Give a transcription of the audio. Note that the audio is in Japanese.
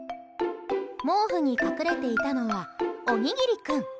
毛布に隠れていたのはおにぎり君。